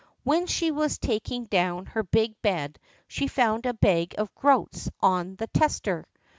When she was taking down her big bed she found a bag of groats on the tester.